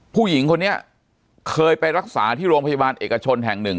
ผู้หญิงคนนี้เคยไปรักษาที่โรงพยาบาลเอกชนแห่งหนึ่ง